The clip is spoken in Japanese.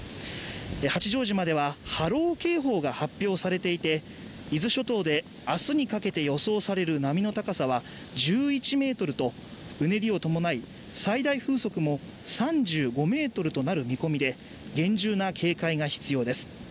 八丈島では波浪警報が発表されていて伊豆諸島で明日にかけて予想される波の高さは、１１メートルと、うねりを伴い最大風速も３５メートルとなる見込みで厳重な警戒が必要です。